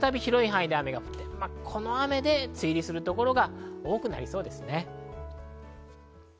土日は再び広い範囲で雨が降って、この雨で梅雨入りする所が多くなりそうです。